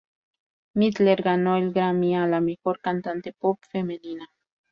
Midler ganó el Grammy a la Mejor Cantante Pop Femenina.